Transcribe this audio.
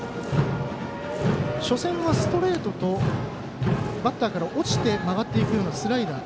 初戦はストレートとバッターから落ちて曲がっていくようなスライダー